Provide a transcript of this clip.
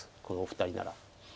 このお二人なら。